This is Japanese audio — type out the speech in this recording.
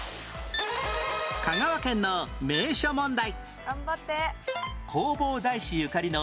香川県の名所問題